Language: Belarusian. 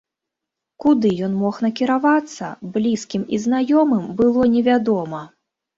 Куды ён мог накіравацца, блізкім і знаёмым было невядома.